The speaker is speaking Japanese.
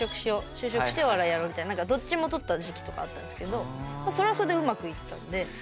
就職してお笑いやろうみたいなどっちもとった時期とかあったんですけどそれはそれで、うまくいったんで。